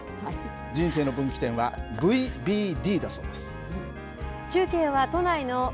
人生の分岐点はＶＢＤだそうです。